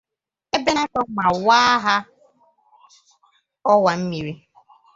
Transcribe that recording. Ebenator' ma waa ya ọwàmmiri.